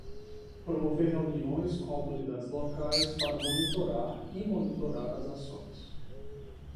Promover reuniões com autoridades locais para monitorar e monitorar as ações.